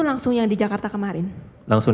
langsung yang di jakarta kemarin langsung